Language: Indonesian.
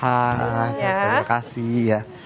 hai terima kasih ya